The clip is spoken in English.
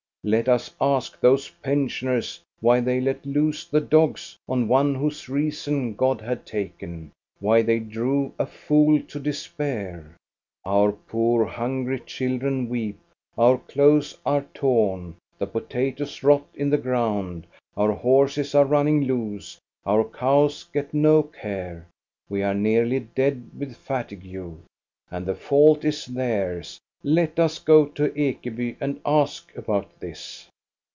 Let us ask those pensioners why they let loose the dogs on one whose reason God had taken, why they drove a fool to despair. Our poor, hungry children weep; our clothes are torn; the potatoes rot in the ground ; our horses are running loose ; our cows get no care ; we are nearly dead with fatigue — and the fault is theirs. Let us go to Ekeby and ask about this.